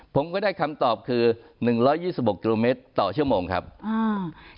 ผมก็ได้คำตอบคือหนึ่งร้อยยี่สิบหกกิโลเมตรต่อชั่วโมงครับอ่า